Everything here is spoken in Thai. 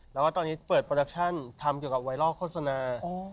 แล้วก็ตอนนี้เปิดโปรดักชั่นทำเกี่ยวกับไวรัลโฆษณา